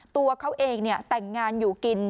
ตัวเขาเองแต่งงานอยู่กิน